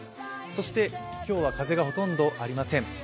そして今日は風がほとんどありません。